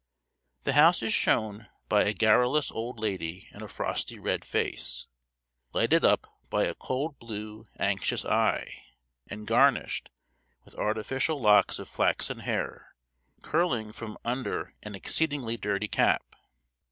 The house is shown by a garrulous old lady in a frosty red face, lighted up by a cold blue, anxious eye, and garnished with artificial locks of flaxen hair curling from under an exceedingly dirty cap.